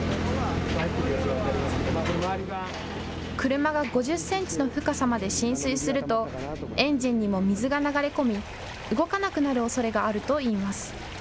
車が５０センチの深さまで浸水するとエンジンにも水が流れ込み、動かなくなるおそれがあるといいます。